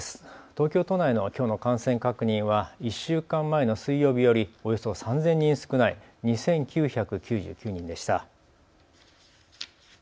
東京都内のきょうの感染確認は１週間前の水曜日よりおよそ３０００人少ない２９９９人でした。